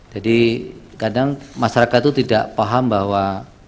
jadi kadang masyarakat itu tidak paham bahwa